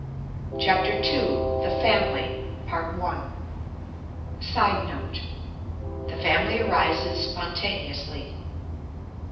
] CHAPTER II THE FAMILY [Sidenote: The family arises spontaneously.